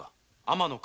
天野！？